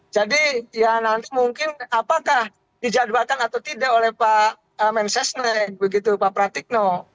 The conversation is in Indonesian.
jadi ya nanti mungkin apakah dijadwalkan atau tidak oleh pak mensesne begitu pak pratikno